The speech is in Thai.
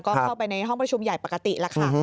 ก็เข้าไปในห้องประชุมใหญ่ปกติแล้วค่ะ